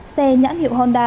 xe nhãn hiệu honda